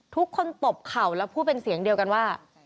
ตบเข่าแล้วพูดเป็นเสียงเดียวกันว่า